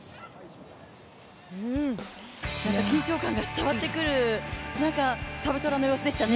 緊張感が伝わってくるサブトラの様子でしたね。